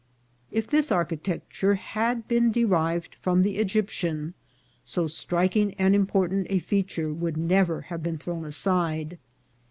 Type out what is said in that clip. If this architecture had been derived from the Egyptian, so striking and important a feature would never have been thrown aside.